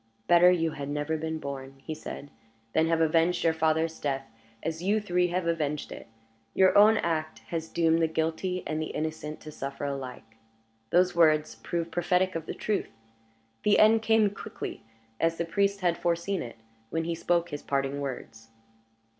"Better you had never been born," he said, "than have avenged your father's death as you three have avenged it. Your own act has doomed the guilty and the innocent to suffer alike." Those words proved prophetic of the truth. The end came quickly, as the priest had foreseen it, when he spoke his parting words.